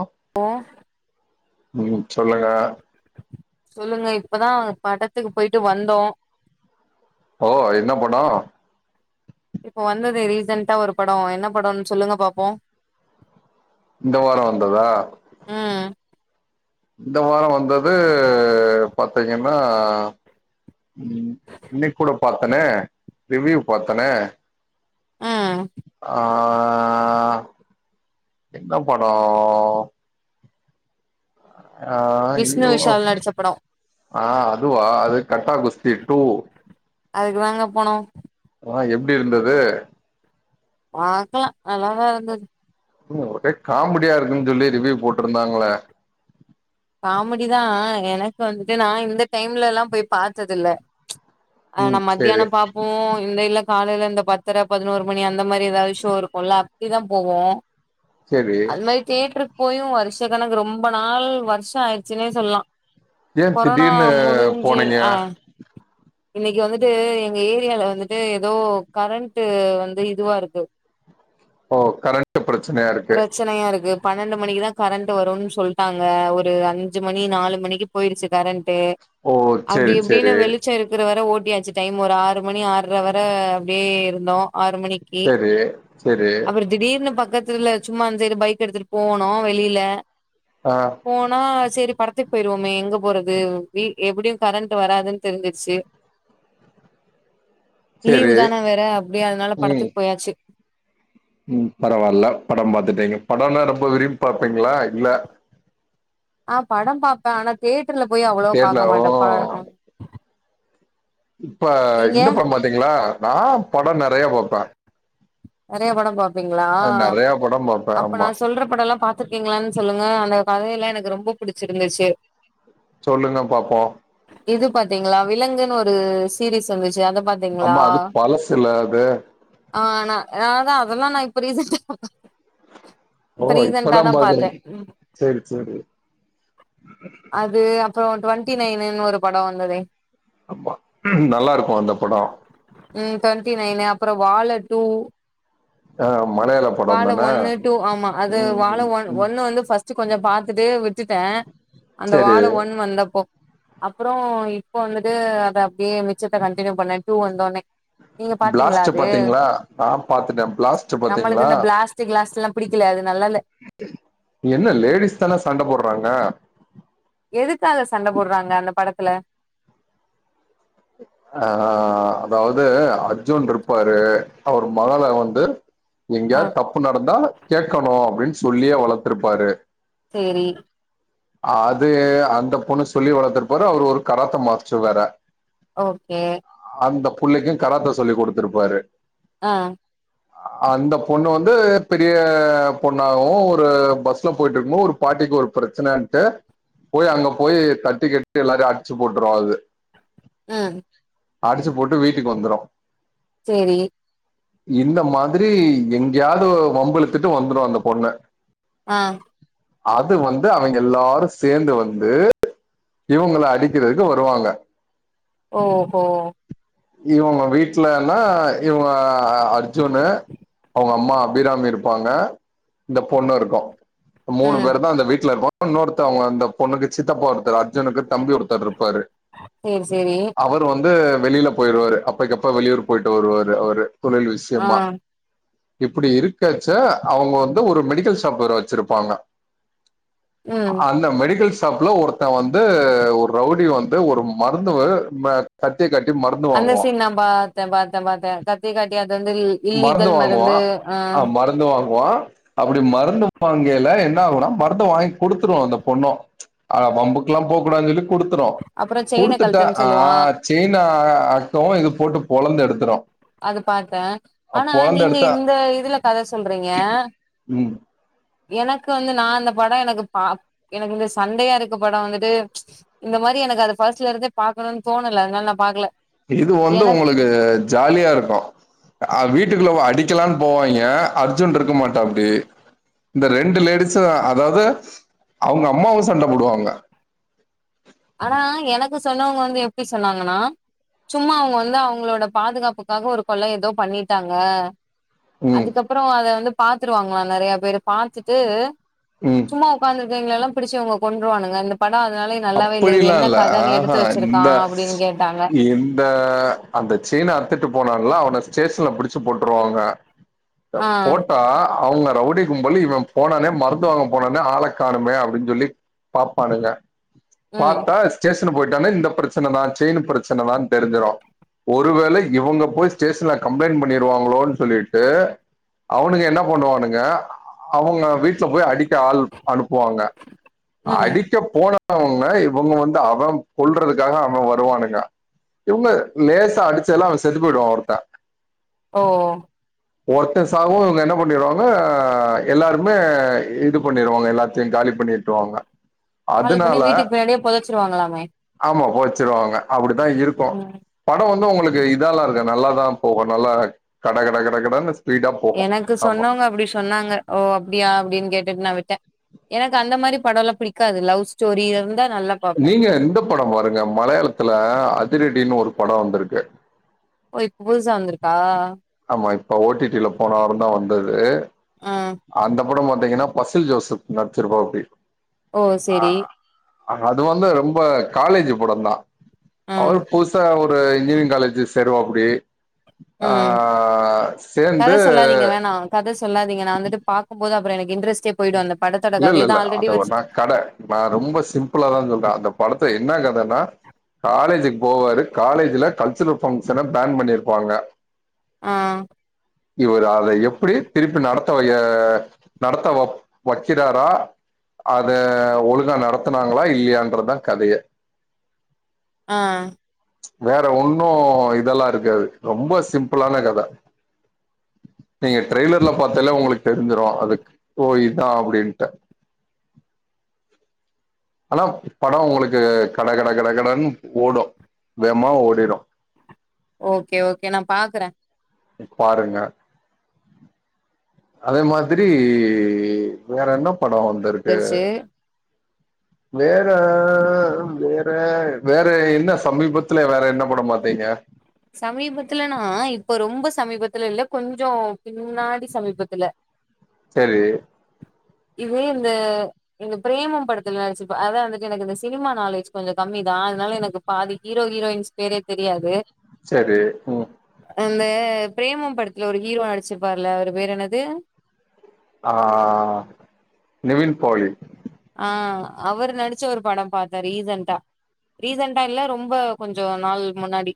App அ ம் சொல்லுங்க சொல்லுங்க இப்பதா படத்துக்கு போய்ட்டு வந்தோ ஓ என்ன படோ இப்போ வந்ததே ரீசன்ட்டா ஒரு படோ என்னப் படன் சொல்லுங்க பாப்போ இந்த வாரோ வந்ததா ம் இந்த வாரோ வந்தது பாத்தீங்கன்னா இன்னிக் கூட பாத்தனே ரிவியூ பாத்தனே ம் ஆ ஆ என்னப் படோ ஆ விஷ்ணு அயோ விஷால் நடிச்ச படோ ஆ அதுவா அது கட்டா குஸ்த்தி டு அதுக்கு தாங்க போனோ ஆ எப்டி இருந்தது பாக்கலா நல்லாதா இருந்தது வு ஒடேக் காமெடியா இருக்குன் சொல்லி ரிவியூ போட்ருந்தாங்களே காமெடி தா எனக்கு வந்துட்டு நா இந்த டைம்ல எல்லா போய் பாத்ததுல ஆ நா ம் சேரி மத்தியானம் பாப்போ இந்த இல்ல காலையில இந்த பத்தரை பதினோரு மணி அந்த மாதிரி எதாவது ஷோ இருக்குல்ல அப்புடிதா போவோ சேரி அது மாரி தேட்டருக்கு போயும் வருஷ கணக்கு ரொம்ப நாள் வருஷோ ஆயிடுச்சுன்னே சொல்லலா ஏ கொரோனா திடீர்னு முடிஞ்சு போனீங்க ஆ இன்னைக்கு வந்துட்டு எங்க ஏரியால வந்துட்டு ஈதோ கரண்ட் வந்து இதுவா இருக்கு ஓ கரண்ட்டு ப்ரச்சனையா இருக்கு ப்ரச்சனையா இருக்கு பன்னெண்டு மணிக்கு தா கரண்ட் வருன்னு சொல்ட்டாங்க ஒரு அஞ்சு மணி நாலு மணிக்கு போயிருச்சு கரண்ட் டே ஓ அப்டி செரி செரி இப்டின்னு வெளிச் ம் இருக்குற வர ஓட்டியாச்சு டைம் ஒரு ஆறு மணி ஆற்ர வர அப்டியே இருந்தோ ஆறு மணிக்கி செரி செரி அவரு திடீர்னு பக்கத்துல சும்மா அந்த இது பைக் எடுத்துட்டு போனோ வெளியில ஆ போனா செரி படத்துக்கு போயிருவோமே எங்க போறது வி எப்புடியு கரண்ட் வராதுன் தெரிஞ்சுருச்சு லீவு செரி தானே வேற அப் இப்டியே அதுனால ம் படத்துக்கு போயாச்சு ம் பரவால்ல படம் பாத்துட்டீங்க படோன்னா ரொம்ப விரும்பிப் பாப்பீங்களா இல்ல ஆ படம் பாப்ப ஆனா தேட்டர்ல போய் அவ்ளோ தேட்ல பாக்க ஓ மாட்டே பா அ இப்ப நீங்க இந்த படம் பாத்தீங்களா நா படோ நெறையா பாப்பே நெறையா படோ பாப்பீங்களா அ நெறைய படம் பாப்பே அப்ப நா ஆமா சொல்ற படோ எல்லா பாத் பாத்துருக்கீங்ளான்னு சொல்லுங்க அந்த கதையெல்லா எனக்கு ரொம்ப பிடிச்சிருந்துச்சு சொல்லுங்க பாப்போ இது பாத்தீங்களா விலங்குன்னு ஒரு சீரிஸ் வந்துச்சு அத பாத் ஆம்மா அது பழசுல்ல அது ஆனா அதா அதல்லா நா இப்ப ரீசன்டாதா பா இப்ப ஓ ரீசன்டா இப்பதா தா பாத்தே பாக்குறீங்க செரி செரி அது இது அப்பறோ டுவெண்ட்டி நையனுன்னு ஒரு படோ வந்துதே ஆமா நல்லா இருக்கு அந்த படோ ம் டுவெண்ட்டி நைனு அப்பறோ வாழு டூ ஆ மலையாளம் வாழு ஒன்னு டூ ஆமா அது வாழு ம் ஒ ம் ஒண்ணு வந்து ஃபர்ஸ்ட் கொஞ்ச பாத்துட்டு விட்டுட்டே அந்த செரி வாழு ஒன் வந்தப்போ அப்றோ இப்ப வந்துட்டு அத அப்டியே மிச்சத்த கண்டினியூ பண்ணே டூ வந்தோனே நீங்க பாத்தீங்களா ஃப்ளாஸ்ட்டு அது பாத்தீங்களா நா பாத்துட்டே பிளாஸ்ட் நம்மளுக்கு பாத்தீங்களா இந்த ப்ளாஸ்ட்டு க்ளாஸ்ட்லா புடிக்கல அது நல்லால்ல என்ன லேடிஸ் தான சண்ட போடுறாங்க எதுக்காக சண்ட போடுறாங்க அந்த படத்துல அ அதாவது அர்ஜுன் இருப்பாரு அவரு மகள வந்து ஆ எங்கேயாது தப்பு நடந்தா கேக்கணு அப்டின்னு சொல்லியே வளர்த்துருப்பாரு சேரி அது அந்த பொண்ணு சொல்லி வளர்த்துருப்பாரு அவரு ஒரு கராத்த மாஸ்ட்ரு வேற ஓகே அந்தப் புள்ளைக்கு கராத்த சொல்லி குடுத்துருப்பாரு ஆ அந்த பொண்ணு வந்து பெரிய பொண்ணாகவு ஒரு பஸ்ல போயிட்டு இருக்கும் போது ஒரு பாட்டிக்கு ஒரு பிரச்சனன்ட்டு போய் அங்க போய் தட்டி கேட்டு எல்லாரையு அடிச்சு போட்டுரு அது ம் அடிச்சு போட்டு வீட்டுக்கு வந்துரு சேரி இந்த மாதிரி எங்கயாவ்து வம்பிழுத்திட்டு வந்துரு அந்த பொண்ணு ஆ அது வந்து அவிங்க எல்லாரு சேந்து வந்து இவுங்கள அடிக்கறதுக்கு வருவாங்க ஓஹோ இவுங்க வீட்லனா இவங்க அர்ஜுனு அவுங்க அம்மா அபிராமி இருப்பாங்க இந்த பொண்ணு இருக்கு மூணு ம் பேருதா அந்த வீட்ல இரு இன்னொருத்தவங்க அந்த பொண்ணுக்கு சித்தப்பா ஒருத்தரு அர்ஜுனுக்கு தம்பி ஒருத்தரு இருப்பாரு சேரி சேரி அவரு வந்து வெளில போயிருவாரு அப்பைக்கு அப்ப வெளியூர் போயிட்டு வருவாரு அவரு தொழில் ஆ விஷ்யமா இப்டி இருக்கச்ச அவுங்க வந்து ஒரு மெடிக்கல் ஷாப் வேற வெச்சிருப்பாங்க ம் அந்த மெடிக்கல் ஷாப்ல ஒரு த்தன் வந்து ஒரு ரவுடி வந்து ஒரு மருந்து கத்திய காட்டி மருந்து அந்த வாங்குவான் சீன் நான் பாத்தன் பாத்தன் பாத்த கத்தி காட்டி அது வந்து இல்லீகல் மருந்து ஆ மருந்து வாங்குவா அப்டி மருந்து வாங்கில என்ன ஆகுனா மருந்த வாங்கி குடுத்துரு அந்த பொண்ணு ஆ வம்புக்கல்லா போகூடான்னு சொல்லி குடுத்துரு அப்புறோ செயின குடுத்துட்ட கழட்டுன்னு ஆ சொல்லுவா செயின் அக்கவு இது போட்டு பொளந்து எடுத்துரு அத பாத்த ஆனா பொளந்து நீங்க எடுத்தா இந்த இதுல கத சொல்றீங்க ம் எனக்கு வந்து நா அந்த படோ எனக்கு பா எனக்கு இந்த சண்டையா இருக்க படோ வந்துட்டு இந்த மாரி எனக்கு அது ஃபர்ஸ்ட்லருந்தே பாக்கணுனு தோணல அதனால நா பாக்கல இது வந்து எனக் உங்களுக்கு ஜாலியா இருக்கு அ வீட்டுக்குள்ள அடிக்கலான்னு போவாங்கி அர்ஜுன் இருக்க மாட்டாப்டி இந்த ரெண்டு லேடிஸு அதாவது அவுங்க அம்மாவு சண்ட போடுவாங்க ஆனா எனக்கு சொன்னவங்க வந்து எப்டி சொன்னாங்கனா சும்மா அவுங்க வந்து அவுங்களோட பாதுகாப்புக்காக ஒரு கொல எதோ பண்ணிட்டாங்க ம் அதுக்கப்றோ அத வந்து பாத்துருவாங்களா நெறயா பேரு பாத்துட்டு ம் சும்மா உக்காந்திருக்கவங்களை எல்லா புடிச்சு இவுங்க கொன்றுவானுங்க இந்த படோ அதனால நல்லா அப்டியெல்லா இல்ல ஆஹ இந்தா அப்டின்னு கேட்டாங்க இந்த அந்த செய்ன அத்துட்டு போனான்ல்ல அவன ஸ்டேஷன்ல புடிச்சு போட்ருவாங்க ஆ போட்டா அவுங்க ரவுடி கும்பலு இவன் போனானே மருந்து வாங்க போனானே ஆள காணமே அப்டின் சொல்லி பாப்பானுக ம் பாத்தா ஸ்டேஷன் போயிட்டானே இந்த பிரச்சனதா செயினு பிரச்சனதான் தெரிஞ்சிரு ஒருவேள இவுங்க போய் ஸ்டேஷன்ல கம்ப்ளைண்ட் பண்ணிருவாங்களோன்னு சொல்லிட்டு அவனுக என்ன பண்ணுவானுக அவுங்க வீட்ல போய் அடிக்க ஆள் அனுப்புவாங்க ம் அடிக்க போன ஒன்ன இவுங்க வந்து அவன் கொல்றதுக்காக அவன் வருவானுக இவுங்க லேசா அடிச்சதுல அவன் செத்து போயிடுவான் ஒருத்தன் ஓ ஒருத்தன் சாவு இவுங்க என்ன பண்ணிருவாங்க எல்லாருமே இது பண்ணிருவாங்க எல்லா த்தியு காலி பண்ணி உட்ருவாங்க. காலி பண்ணி வீட்டுக் பின்னாடியே பொதச்சிருவாங்களாமே. ஆமா பொதச்சிருவாங்க அப்டிதா இருக்கு. ம் படோ வந்து உங்குளுக்கு இதால்லா இருக்கா நல்லாதா போகு நல்லா கட கட கட கடன்னு ஸ் எனக்கு சொன்னவங்க அப்டி சொன்னாங்க ஓ அப்டியா அப்டின் கேட்டுட்டு நா விட்டே. எனக்கு அந்த மாரி படோல்லா பிடிக்காது லவ் ஸ்டோரி இருந்தா நல்லா பாப்பேன். நீங்க இந்த படம் பாருங்க மலையாளத்துல அதிரடினு ஒரு படோ வந்திருக்கு. ஓ இப்ப புதுசா வந்துருக்கா? ஆமா இப்ப ஓ டி டி ல போன வாரந்தா வந்தது. ஆ. அந்த படம் பாத்தீங்கன்னா பசில் ஜோசஃப் நட்ச்சிருப்பாப்டி. ஓ! அ சரி. அது வந்து ரொம்போ காலேஜி படந்தா ம். அவுரு புதுசா ஒ ரு இன்ஜினியரிங் காலேஜு சேருவாப்டி. ஆ ம் சேந்து கத சொல்லாதீங்க வேணா கத சொல்லாதீங்க நா வந்துட்டு பா. க்கும்போது அப்புறோ எனக்கு இன்ட்ரெஸ்டே போயிடு அந்த படத்தோட இல்ல இல்ல கதையதா இல்ல ஆல்ரெடி அது வர்ஸ் நா கட நா ரொம்போ சிம்புளாதா சொல்றே அந்த படத்த என்னா கதன்னா காலேஜுக் போவாரு காலேஜ்ல கல்ச்சுரல் ஃபங்க்ஷன பேன் பண்ணிருப்பாங்க. அ. இவர் அத எப்பிடி திருப்பி நடத்த வய நடத்த வ வக்கிறாரா அத ஒழுங்கா நடத்துனாங்களா இல்லியான்றதா கதயே. அ. வேற ஒன்னு இதல்லா இருக்காது. ரொம்ப சிம்புளான கத. நீங்க ட்ரெய்லர்ல பாத்தாலே உங்குளுக் தெரிஞ்சிரு அதுக் ஓ இதா அப்டின்ட்டு. ஆனாப் படோ உங்குளுக்கு கட கட கட கடன் ஓடு வேமா ஓடிடு. ஓகே ஓகே நா பாக்கறே. பாருங்க. அதே மாதிரி வேற என்ன படோ வந்திருக்கு. வேற வேற வேற என்ன சமீபத்துல வேற என்ன படம் பாத்தீங்க? சமீபத்துலனா இப்ப ரொம்ப சமீபத்துல இல்ல கொஞ்சோ பின்னாடி சமீபத்துல. செரி. இது இந்த இந்த பிரேமம் படத்துல நடிச்சிருப்ப அதா வந்துட்டு எனக்கு இந்த சினிமா நாலேஜ் கொஞ்சோ கம்மி தா அதனால எனக்கு பாதி ஹீரோ ஹீரோயின்ஸ் பேரே தெரியாது. செரி ம். அந்த பிரேமம் படத்துல ஒரு ஹீரோ நடிச்சிருப்பாருல அவரு பேரு என்னது? அ அ அ நிவின் போலி. அ அவரு நடிச்ச ஒரு படம் பாத்தே ரீசன்ட்டா. ரீசன்ட்டா இல்ல ரொம்போ கொஞ்சோ நாள் முன்னாடி.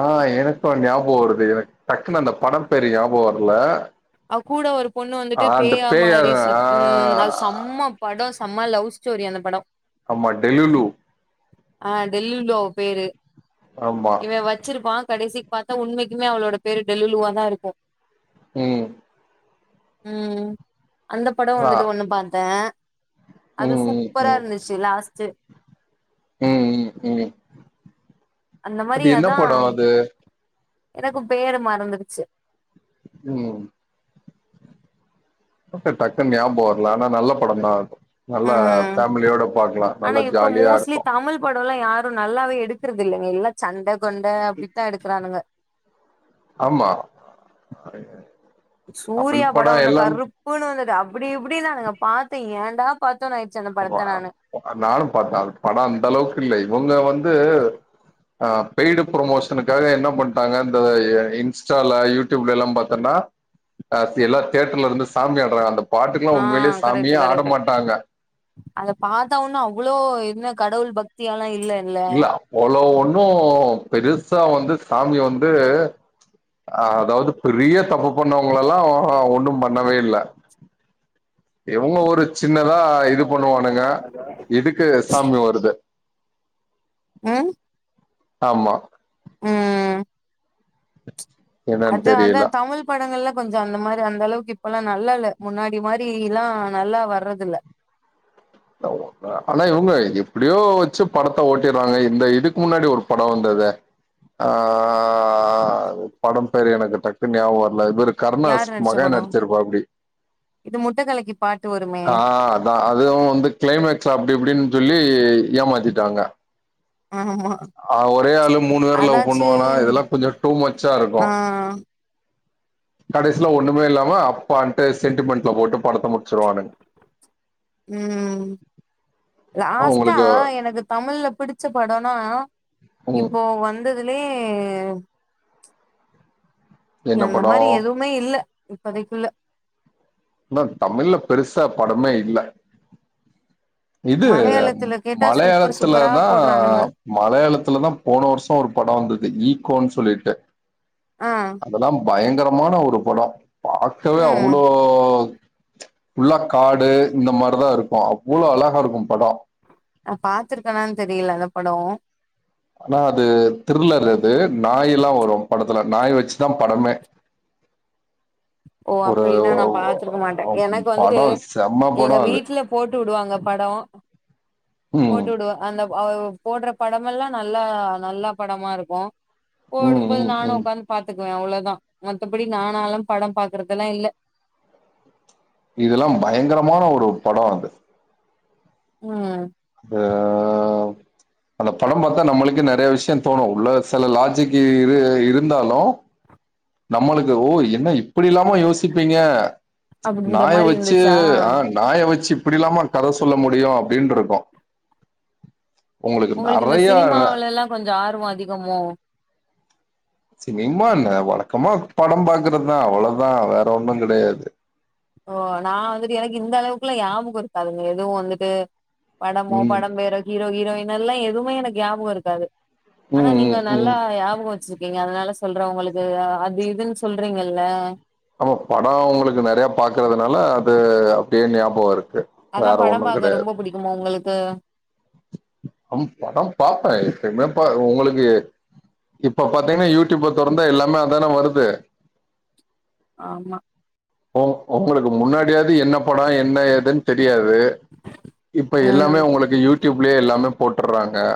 ஆ எனக்கு ஞாபகோ வருது எனக் டக்குன்னு அந்த படம் பேரு ஞாபகோ வரல. அவ் கூட ஒரு பொண்ணு ஆ வந்துட்டு அந்த பேயா மாதி சுத் ஆ ம் அது சம்மப் படோ செம்ம லவ் ஸ்டோரி அந்த படோ. ஆம்மா டெல்லுலு. ஆ டெல்லுலு அவ பேரு ஆமா இவ வெச்சிருப்பா கடைசி பாத்தா உண்மைக்மே அவளோட பேரு டெல்லுலுவா தா இருக்கு. ம் ம் அந்த படோ அதா வந்துட்டு ஒண்ணு பாத்த அது ம் சூப்பரா ம் இருந்துச் சி லாஸ்ட்டு ம் ம் ம் அந்த அது மாரி என்ன அதா படோ அது எனக்கு பேரு மறந்துருச்சு ம் படோ பேர் டக்குன்னு ஞாபோ வரல ஆனா நல்ல படந்தா அது நல்லா ம் ஃபேமிலியோட பாக்லா ஆனா நல்லா இப்ப ஜாலியா மோஸ்ட்லி இருக்கு தமிழ் படோல்லா யாரு நல்லாவே எடுக்றது இல்லங்க எல்லா சண்ட கொண்ட அப்டித்தான் எடுக்குறானுங்க ஆமா [unintelligible] சூர்யா தமிழ் படோ ஒன்னு எல்லாம் கருப்புன்னு வந்தது அப்டி இப்டினானுங்க பாத்த ஏன்டா பாத்தோன்னு ஆயி ஆமா நானு பாத்த அது படோ அந்த அளவுக்கு இல்ல இவங்க வந்து ஆ பெய்டு ப்ரமோஷனுக்காக என்னா பண்ட்டாங்க இந்த இ இன்ஸ்டால யூ டுப்லலா பாத்தன்னா அ சில தேட்டர்லருந்து சாமி ஆட்றாங்க அந்த பாட்டுக்கல்லா ஆ உண்மையிலயே கரெக்ட் சாமியே ஆட கரெக்ட் மாட்டாங்க அத பாத்த ஒன்னு அவ்ளோ என்ன கடவுள் பக்தியால்லா இல்ல இல்ல அவ்வளோ ஒண்ணு பெருசா வந்து சாமி வந்து அதாவது பெரிய தப்பு பண்ணவங்கள்லல்லா ஒண்ணு பண்ணவே இல்ல இவுங்க ஒரு சின்னதா இது பண்ணுவானுங்க இதுக்கு சாமி வருது அ ஆமா ம் என்னன்னு அதா அதா தெரியல தமில் தமிழ் படங்கள்ல கொஞ்ச அந்த மாரி அந்த அளவுக்கு இப்பெல்லா நல்லா இல்ல முன்னாடி மாரிலா நல்லா வர்றது இல்ல ஆனா இவுங்க எப்டியோ வச்சு படத்த ஓட்டிறாங்க இந்த இதுக்கு முன்னாடி ஒரு படோ வந்ததே ஆ ஆ ஆ ஆ ஆ ஆ படம் பேரு எனக்கு டக்கு ஞாபோ வரல இவுரு கருணாஸ் யார் நடிச்ச மகன் படோ நடிச்சிருப்பாப்டி இது முட்ட கலக்கி பாட்டு வருமே ஆ ஆ அதுவு வந்து கிளைமேக்ஸ் அப்டி இப்டின்னு சொல்லி ஏமாத்திட்டாங்க ஆமா ஆ ஒரே ஆளு மூணு பேர லவ் அதாச்சு பண்ணுவானா இதெல்லா கொஞ்சோ டூ மச்சா இருக்கு ஆ கடைசியில ஒண்ணுமே இல்லாம அப்பான்ட்டு சென்டிமெண்ட்ல போட்டு படத்த முடிச்சுடுவானுங்க ம் லாஸ்ட்டா உங்களுக்கு எனக்கு தமிழ்ல்ல பிடிச்ச படோனா ம் இப்போ வந்ததுலே இங்க என்ன அந்த படோ மாரி எதுவுமே இல்ல இப்பதைக்கில்ல மேம் தமிழ்ல பெருசா படமே இல்ல இது மலையாளத்துல கேட்டா சூப்பர் சூப்பரா மலையாளத்துலதா போடுறானுங்க மலையாளத்துல தா போன வருஷோ ஒரு படோ வந்தது ஈகோன்னு சொல்லிட்டு ஆ அதெல்லாம் பயங்கரமான ஒரு படோ பாக்கவே ம் அவ்ளோ ஃபுல்லா காடு இந்த மார்தா இருக்கு அவ்வளோ அலகா இருக்கு படோ நா பாத்திருக்கனான்னு தெரில அந்த படோ ஆனா அது திருளர் அது நாய் எல்லா வரு படத்துல நாய் வெச்சுதா படமே ஓ ஒரு அப்டின்னா நா பாத்துருக்க மாட்ட எனக்கு வந்துட்டு படோ செம்ம எங்க படோ அது வீட்ல போட்டு உடுவாங்க படோ ம் போட்டு உடுவா அந்த அவுங்க போடுற படமெல்லா நல்லா நல்லா படமா இருக்கு ம் போடும்போது ம் நானு ம் உட்காந்து பாத்துக்குவே அவ்ளோதா மத்தபடி நானால படம் பாக்கறது எல்லா இல்ல இதெல்லா பயங்கரமான ஒரு படோ அது ம் ப அந்த படம் பாத்தா நம்மளுக்கே நெறைய விஷ்யந் தோணு வுள்ள சில லாஜிக் இரு இருந்தாலு நம்மளுக்கு ஓ என்ன இப்டி எல்லாமோ யோசிப்பீங்க அப்டின்ற நாய மாரி வச்சு இருந்துச்சா ஆன் நாய வெச்சு இப்டி இல்லாமா கத சொல்ல முடியு அப்டின்ருக்கு உங்குளுக்கு நெறையா கொஞ்ச ஆர்வோ அதிகமோ சினிமா என்ன வழக்கமா படம் பாக்கறத்தா அவ்ளவுதா வேற ஒன்னுங் கெடையாது ஓ நா வந்துட்டு எனக்கு இந்த அளவுக்ளா யாபகோ இருக்காதுங்க எதுவு வந்துட்டு படமோ ம் படம் பேரோ ஹீரோ ஹீரோயின் யெல்லா எதுவுமே எனக்கு யாபகோ இருக்காது ஆனா ம் நீங்க ம் நல்லா ம் யாபகோ வெச்சிருக்கீங் அதனால சொல்ற உங்களுக்கு அது இதுன் சொல்றீங்கல்ல ஆமா பட உங்களுக்கு நெறையப் பாக்கறதுனால அது அப்டியே நியாபக இருக்கு அதா வேற படம் ஒன்னு பாக்க கெடையாது ரொம்ப புடிக்குமா உங்களுக்கு அம் படம் பாப்பே எப்பிமே ப உங்களுக்கு இப்ப பாத்தீங்னா யூடியூப தொறந்தா எல்லாமே அதான வருது ஆமா ஓம் ஒங்களுக்கு முன்னாடியாவது என்னப் படோ என்ன ஏதுன் தெரியாது இப்ப ம் எல்லாமே உங்களுக்கு யூடியூப்லியே எல்லாமே போட்டர்றாங்க